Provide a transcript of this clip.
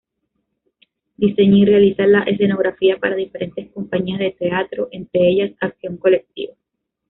Diseña y realiza la escenografía para diferentes compañías de teatro, entre ellas Acción Colectiva.